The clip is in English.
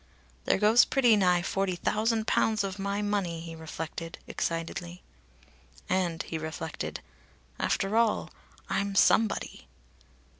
"There goes pretty nigh forty thousand pounds of my money!" he reflected, excitedly. And he reflected: "After all, I'm somebody."